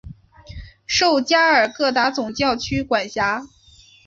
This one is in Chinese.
受加尔各答总教区管辖。